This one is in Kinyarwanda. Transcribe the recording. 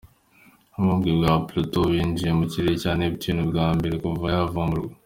Umubumbe wa Pluto winjiye mu kirere cya Neptune bwa mbere kuva yavumburwa.